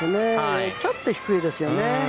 ちょっと低いですよね。